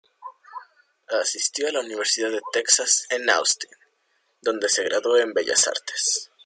Asistió a la University de Texas en Austin, donde se graduó en bellas artes.